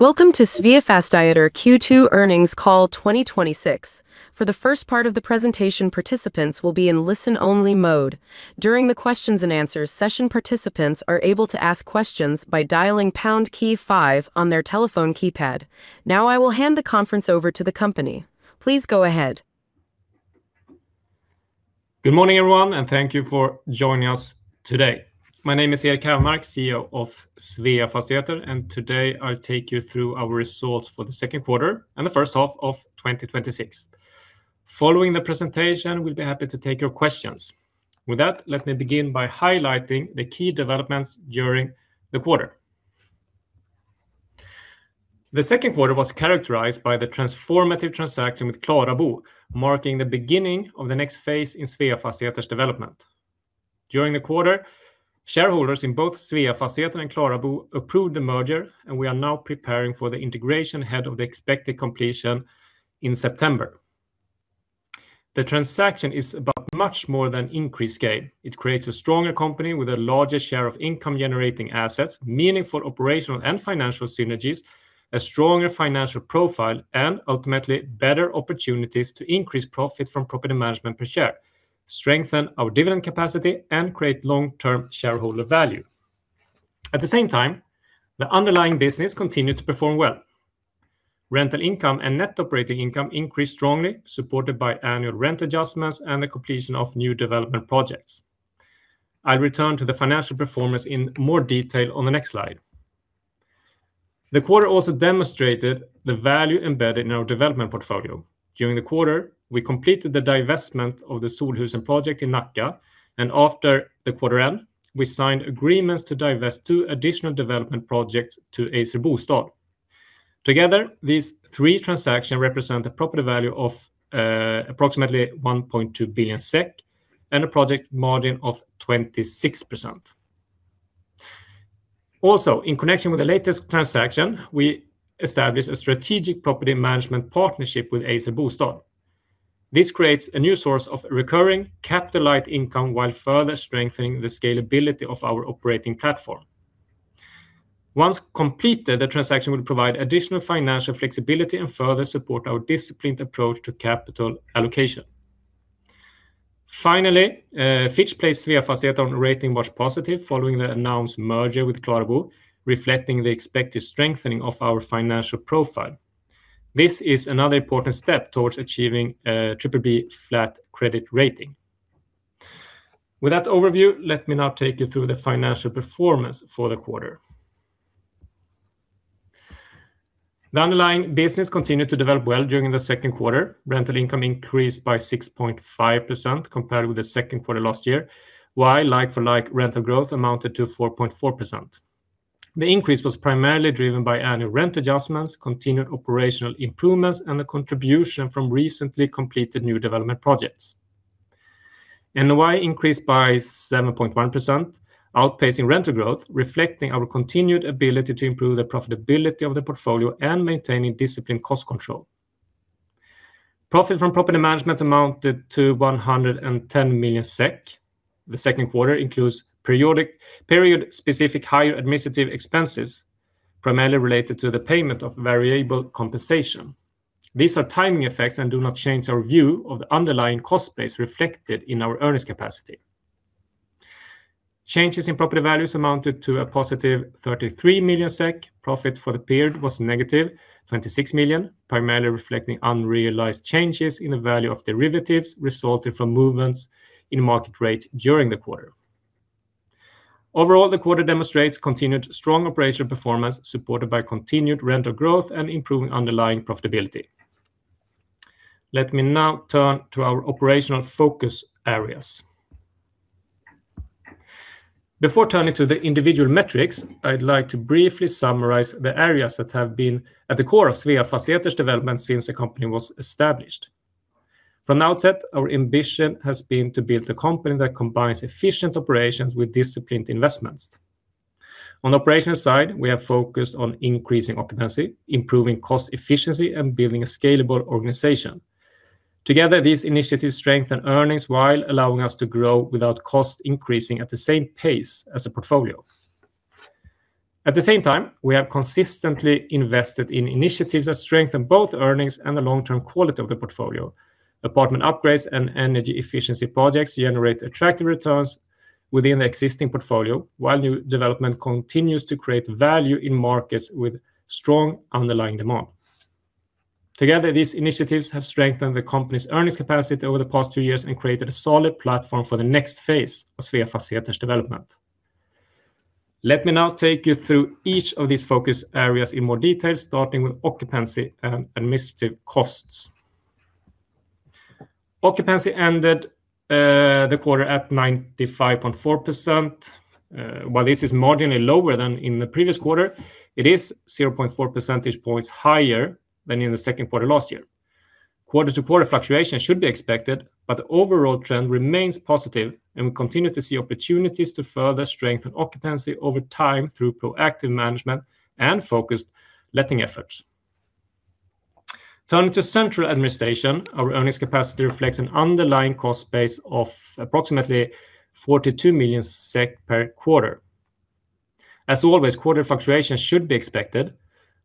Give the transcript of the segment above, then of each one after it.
Welcome to Sveafastigheter Q2 earnings call 2026. For the first part of the presentation, participants will be in listen-only mode. During the questions-and-answers session, participants are able to ask questions by dialing pound key five on their telephone keypad. Now I will hand the conference over to the company. Please go ahead. Good morning, everyone, and thank you for joining us today. My name is Erik Hävermark, CEO of Sveafastigheter, and today I'll take you through our results for the second quarter and the first half of 2026. Following the presentation, we'll be happy to take your questions. With that, let me begin by highlighting the key developments during the quarter. The second quarter was characterized by the transformative transaction with KlaraBo, marking the beginning of the next phase in Sveafastigheter's development. During the quarter, shareholders in both Sveafastigheter and KlaraBo approved the merger, and we are now preparing for the integration ahead of the expected completion in September. The transaction is about much more than increased scale. It creates a stronger company with a larger share of income-generating assets, meaningful operational and financial synergies, a stronger financial profile, and ultimately better opportunities to increase profit from property management per share, strengthen our dividend capacity, and create long-term shareholder value. At the same time, the underlying business continued to perform well. Rental income and net operating income increased strongly, supported by annual rent adjustments and the completion of new development projects. I'll return to the financial performance in more detail on the next slide. The quarter also demonstrated the value embedded in our development portfolio. During the quarter, we completed the divestment of the Solhusen project in Nacka, and after the quarter end, we signed agreements to divest two additional development projects to SR Bostad. Together, these three transactions represent a property value of approximately 1.2 billion SEK and a project margin of 26%. Also, in connection with the latest transaction, we established a strategic property management partnership with SR Bostad. This creates a new source of recurring capital-light income while further strengthening the scalability of our operating platform. Once completed, the transaction will provide additional financial flexibility and further support our disciplined approach to capital allocation. Finally, Fitch Ratings placed Sveafastigheter on Rating Watch Positive following the announced merger with KlaraBo, reflecting the expected strengthening of our financial profile. This is another important step towards achieving BBB flat credit rating. With that overview, let me now take you through the financial performance for the quarter. The underlying business continued to develop well during the second quarter. Rental income increased by 6.5% compared with the second quarter last year, while like-for-like rental growth amounted to 4.4%. The increase was primarily driven by annual rent adjustments, continued operational improvements, and the contribution from recently completed new development projects. NOI increased by 7.1%, outpacing rental growth, reflecting our continued ability to improve the profitability of the portfolio and maintaining disciplined cost control. Profit from property management amounted to 110 million SEK. The second quarter includes period-specific higher administrative expenses, primarily related to the payment of variable compensation. These are timing effects and do not change our view of the underlying cost base reflected in our earnings capacity. Changes in property values amounted to a positive 33 million SEK. Profit for the period was negative 26 million, primarily reflecting unrealized changes in the value of derivatives resulting from movements in market rates during the quarter. Overall, the quarter demonstrates continued strong operational performance supported by continued rental growth and improving underlying profitability. Let me now turn to our operational focus areas. Before turning to the individual metrics, I'd like to briefly summarize the areas that have been at the core of Sveafastigheter's development since the company was established. From the outset, our ambition has been to build a company that combines efficient operations with disciplined investments. On the operational side, we have focused on increasing occupancy, improving cost efficiency, and building a scalable organization. Together, these initiatives strengthen earnings while allowing us to grow without cost increasing at the same pace as the portfolio. At the same time, we have consistently invested in initiatives that strengthen both earnings and the long-term quality of the portfolio. Apartment upgrades and energy efficiency projects generate attractive returns within the existing portfolio, while new development continues to create value in markets with strong underlying demand. Together, these initiatives have strengthened the company's earnings capacity over the past two years and created a solid platform for the next phase of Sveafastigheter's development. Let me now take you through each of these focus areas in more detail, starting with occupancy and administrative costs. Occupancy ended the quarter at 95.4%. While this is marginally lower than in the previous quarter, it is 0.4 percentage points higher than in the second quarter last year. Quarter-to-quarter fluctuation should be expected, but the overall trend remains positive, and we continue to see opportunities to further strengthen occupancy over time through proactive management and focused letting efforts. Turning to central administration, our earnings capacity reflects an underlying cost base of approximately 42 million SEK per quarter. As always, quarter fluctuations should be expected.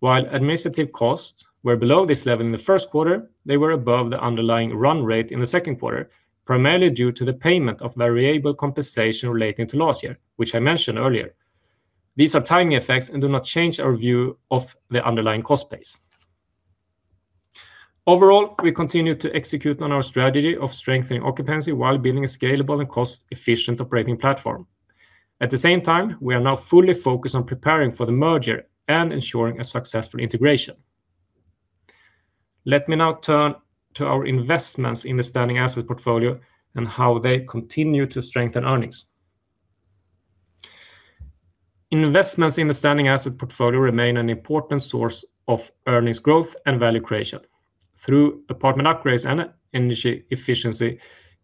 While administrative costs were below this level in the first quarter, they were above the underlying run rate in the second quarter, primarily due to the payment of variable compensation relating to last year, which I mentioned earlier. These are timing effects and do not change our view of the underlying cost base. Overall, we continue to execute on our strategy of strengthening occupancy while building a scalable and cost-efficient operating platform. At the same time, we are now fully focused on preparing for the merger and ensuring a successful integration. Let me now turn to our investments in the standing asset portfolio and how they continue to strengthen earnings. Investments in the standing asset portfolio remain an important source of earnings growth and value creation through apartment upgrades and energy efficiency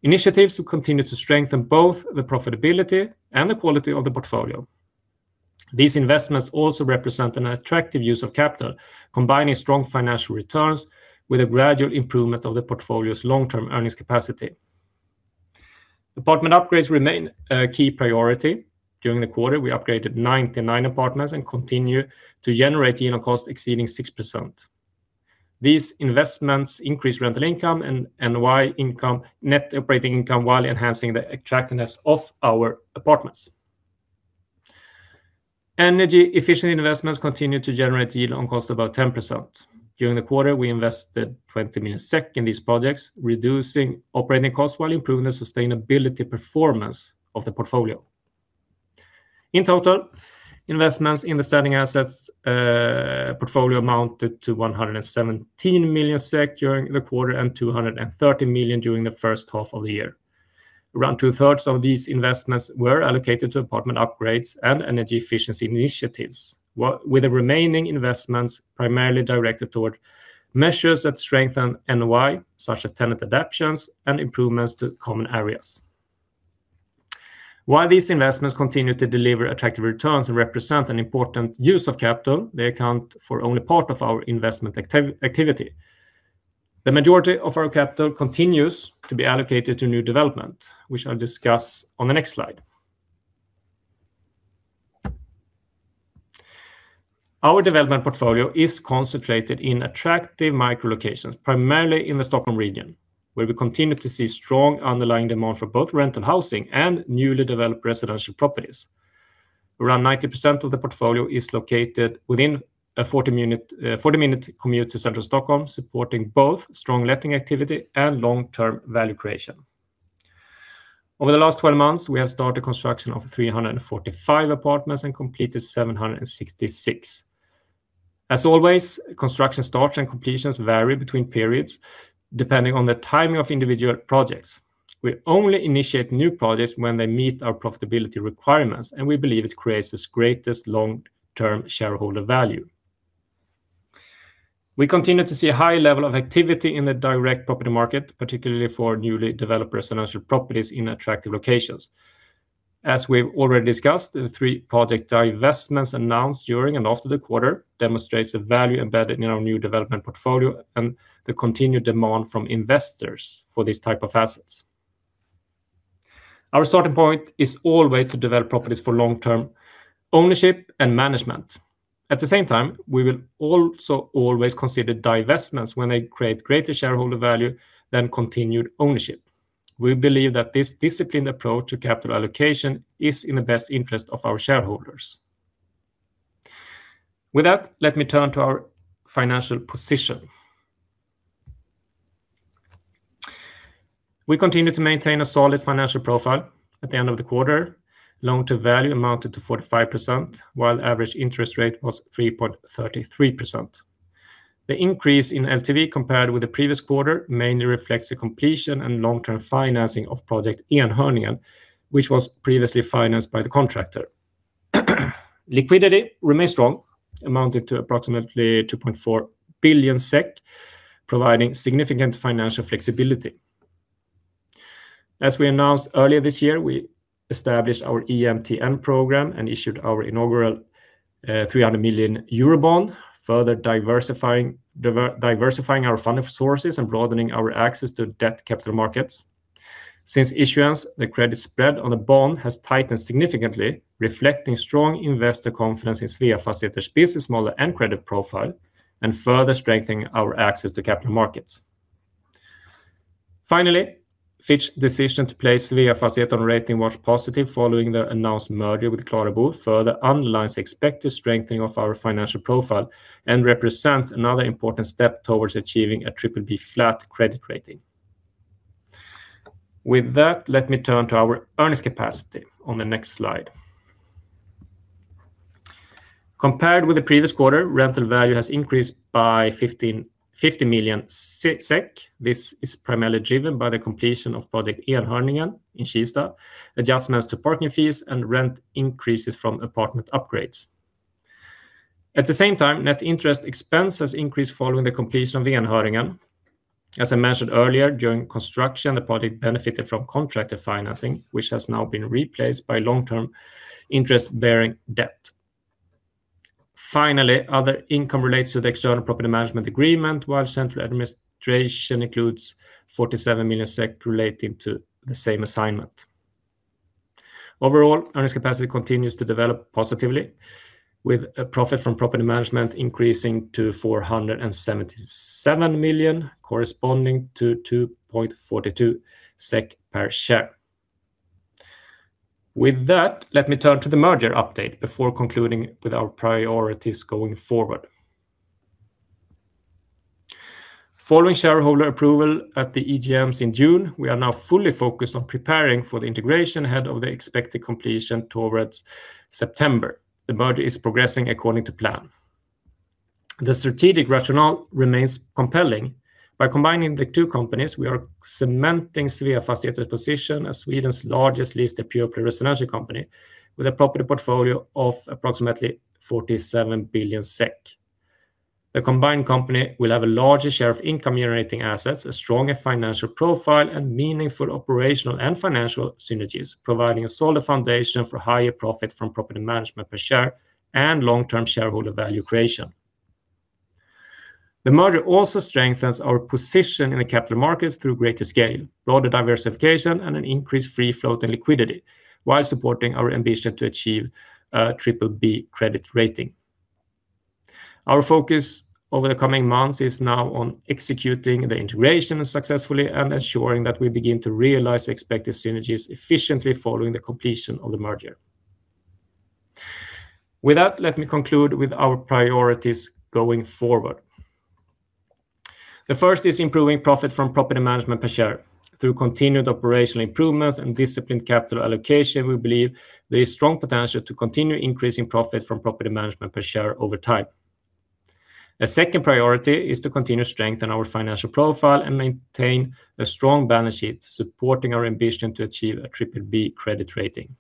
initiatives to continue to strengthen both the profitability and the quality of the portfolio. These investments also represent an attractive use of capital, combining strong financial returns with a gradual improvement of the portfolio's long-term earnings capacity. Apartment upgrades remain a key priority. During the quarter, we upgraded 99 apartments and continue to generate yield on cost exceeding 6%. These investments increase rental income and NOI, net operating income, while enhancing the attractiveness of our apartments. Energy efficient investments continue to generate yield on cost about 10%. During the quarter, we invested 20 million SEK in these projects, reducing operating costs while improving the sustainability performance of the portfolio. In total, investments in the standing assets portfolio amounted to 117 million SEK during the quarter and 230 million during the first half of the year. Around two-thirds of these investments were allocated to apartment upgrades and energy efficiency initiatives, with the remaining investments primarily directed toward measures that strengthen NOI, such as tenant adaptations and improvements to common areas. While these investments continue to deliver attractive returns and represent an important use of capital, they account for only part of our investment activity. The majority of our capital continues to be allocated to new development, which I'll discuss on the next slide. Our development portfolio is concentrated in attractive micro locations, primarily in the Stockholm region, where we continue to see strong underlying demand for both rental housing and newly developed residential properties. Around 90% of the portfolio is located within a 40-minute commute to central Stockholm, supporting both strong letting activity and long-term value creation. Over the last 12 months, we have started construction of 345 apartments and completed 766. As always, construction starts and completions vary between periods, depending on the timing of individual projects. We only initiate new projects when they meet our profitability requirements, and we believe it creates the greatest long-term shareholder value. We continue to see a high level of activity in the direct property market, particularly for newly developed residential properties in attractive locations. As we've already discussed, the three project divestments announced during and after the quarter demonstrates the value embedded in our new development portfolio and the continued demand from investors for these type of assets. Our starting point is always to develop properties for long-term ownership and management. At the same time, we will also always consider divestments when they create greater shareholder value than continued ownership. We believe that this disciplined approach to capital allocation is in the best interest of our shareholders. With that, let me turn to our financial position. We continue to maintain a solid financial profile. At the end of the quarter, loan-to-value amounted to 45%, while average interest rate was 3.33%. The increase in LTV compared with the previous quarter mainly reflects the completion and long-term financing of project Enhörningen, which was previously financed by the contractor. Liquidity remains strong, amounting to approximately 2.4 billion SEK, providing significant financial flexibility. As we announced earlier this year, we established our EMTN program and issued our inaugural 300 million euro bond, further diversifying our funding sources and broadening our access to debt capital markets. Since issuance, the credit spread on the bond has tightened significantly, reflecting strong investor confidence in Sveafastigheter's business model and credit profile and further strengthening our access to capital markets. Finally, Fitch's decision to place Sveafastigheter on Rating Watch Positive following the announced merger with KlaraBo further underlines the expected strengthening of our financial profile and represents another important step towards achieving a BBB flat credit rating. With that, let me turn to our earnings capacity on the next slide. Compared with the previous quarter, rental value has increased by 50 million SEK. This is primarily driven by the completion of project Enhörningen in Kista, adjustments to parking fees, and rent increases from apartment upgrades. At the same time, net interest expense has increased following the completion of Enhörningen. As I mentioned earlier, during construction, the project benefited from contractor financing, which has now been replaced by long-term interest-bearing debt. Finally, other income relates to the external property management agreement, while central administration includes 47 million SEK relating to the same assignment. Overall, earnings capacity continues to develop positively, with a profit from property management increasing to 477 million, corresponding to 2.42 SEK per share. With that, let me turn to the merger update before concluding with our priorities going forward. Following shareholder approval at the EGMs in June, we are now fully focused on preparing for the integration ahead of the expected completion towards September. The merger is progressing according to plan. The strategic rationale remains compelling. By combining the two companies, we are cementing Sveafastigheter's position as Sweden's largest listed pure-play residential company, with a property portfolio of approximately 47 billion SEK. The combined company will have a larger share of income-generating assets, a stronger financial profile, and meaningful operational and financial synergies, providing a solid foundation for higher profit from property management per share and long-term shareholder value creation. The merger also strengthens our position in the capital markets through greater scale, broader diversification, and an increased free float and liquidity while supporting our ambition to achieve BBB credit rating. Our focus over the coming months is now on executing the integration successfully and ensuring that we begin to realize expected synergies efficiently following the completion of the merger. With that, let me conclude with our priorities going forward. The first is improving profit from property management per share. Through continued operational improvements and disciplined capital allocation, we believe there is strong potential to continue increasing profit from property management per share over time. A second priority is to continue to strengthen our financial profile and maintain a strong balance sheet, supporting our ambition to achieve a BBB credit rating.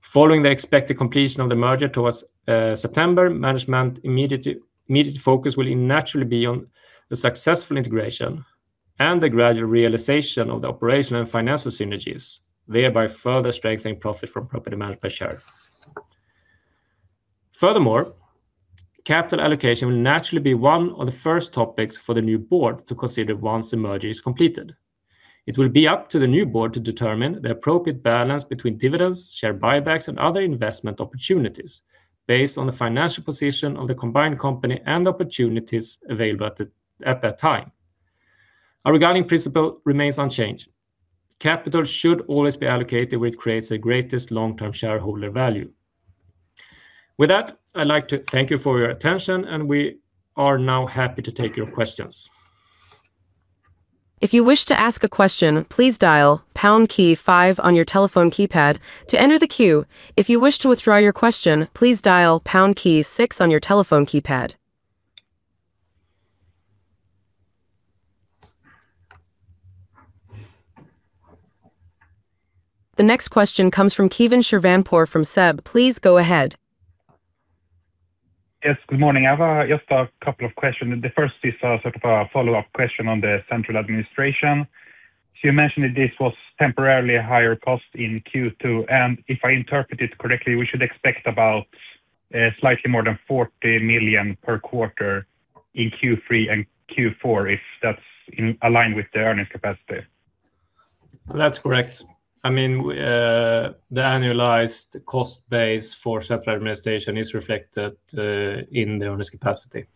Following the expected completion of the merger towards September, management immediate focus will naturally be on the successful integration and the gradual realization of the operational and financial synergies, thereby further strengthening profit from property management per share. Capital allocation will naturally be one of the first topics for the new board to consider once the merger is completed. It will be up to the new board to determine the appropriate balance between dividends, share buybacks, and other investment opportunities based on the financial position of the combined company and opportunities available at that time. Our guiding principle remains unchanged: Capital should always be allocated where it creates the greatest long-term shareholder value. With that, I'd like to thank you for your attention, and we are now happy to take your questions. If you wish to ask a question, please dial pound key five on your telephone keypad to enter the queue. If you wish to withdraw your question, please dial pound key six on your telephone keypad. The next question comes from Keivan Shirvanpour from SEB. Please go ahead. Yes. Good morning. I have just a couple of questions. The first is sort of a follow-up question on the central administration. You mentioned that this was temporarily a higher cost in Q2, and if I interpret it correctly, we should expect about slightly more than 40 million per quarter in Q3 and Q4 if that's aligned with the earnings capacity. That's correct. The annualized cost base for central administration is reflected in the earnings capacity.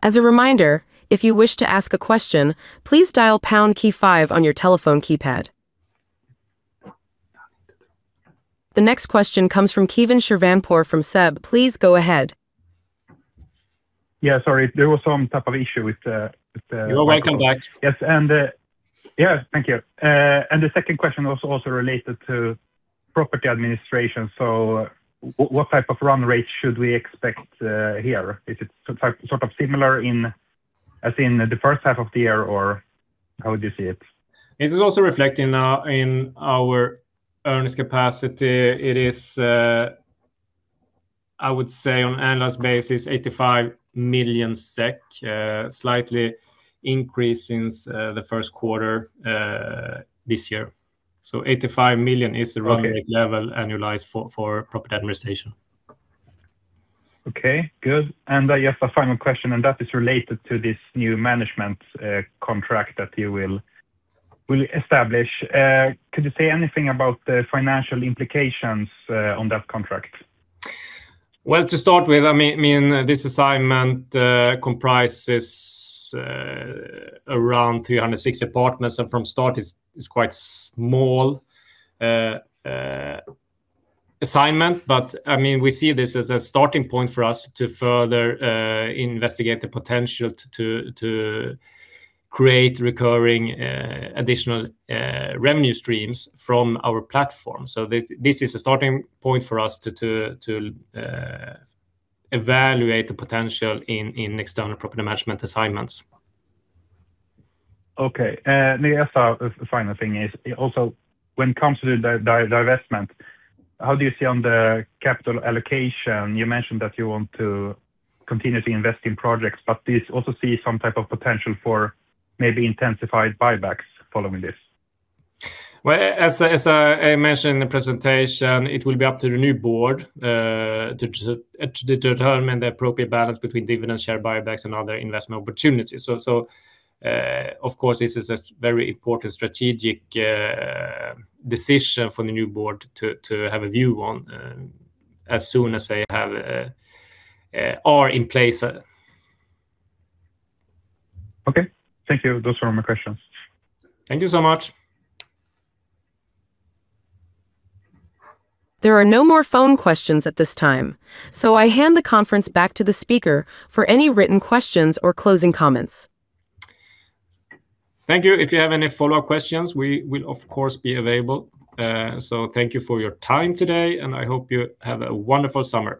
As a reminder, if you wish to ask a question, please dial pound key five on your telephone keypad. The next question comes from Keivan Shirvanpour from SEB. Please go ahead. Yeah, sorry. There was some type of issue with. You're welcome back. Yes. Thank you. The second question was also related to property administration. What type of run rate should we expect here? Is it sort of similar as in the first half of the year, or how would you see it? It is also reflected in our earnings capacity. It is, I would say on annualized basis, 85 million SEK, slightly increase since the first quarter this year. 85 million is the run rate level annualized for property administration. Okay, good. Just a final question, and that is related to this new management contract that you will establish. Could you say anything about the financial implications on that contract? Well, to start with, this assignment comprises around 360 apartments, and from start it's quite small assignment. We see this as a starting point for us to further investigate the potential to create recurring additional revenue streams from our platform. This is a starting point for us to evaluate the potential in external property management assignments. Okay. The final thing is also when it comes to the divestment, how do you see on the capital allocation? You mentioned that you want to continue to invest in projects, do you also see some type of potential for maybe intensified buybacks following this? Well, as I mentioned in the presentation, it will be up to the new board to determine the appropriate balance between dividend share buybacks and other investment opportunities. Of course, this is a very important strategic decision for the new board to have a view on as soon as they are in place. Okay. Thank you. Those were my questions. Thank you so much. There are no more phone questions at this time, so I hand the conference back to the speaker for any written questions or closing comments. Thank you. If you have any follow-up questions, we will of course, be available. Thank you for your time today, and I hope you have a wonderful summer.